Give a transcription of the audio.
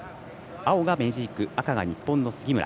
青がメジーク、赤が日本の杉村。